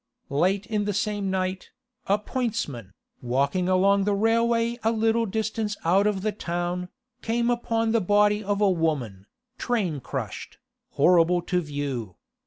Late in the same night, a pointsman, walking along the railway a little distance out of the town, came upon the body of a woman, train crushed, horrible to view.